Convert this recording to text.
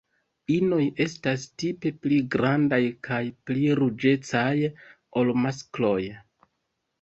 Inoj estas tipe pli grandaj kaj pli ruĝecaj ol maskloj.